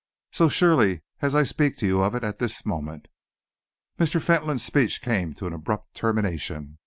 So surely as I speak to you of it at this moment." Mr. Fentolin's speech came to an abrupt termination.